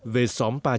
về xóm ba trường